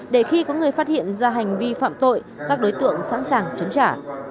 để khi có người phát hiện ra hành vi phạm tội các đối tượng sẵn sàng chống trả